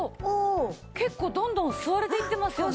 結構どんどん吸われていってますよね